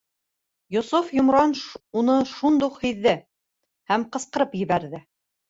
Йософ йомран уны шундуҡ һиҙҙе һәм ҡысҡырып ебәрҙе: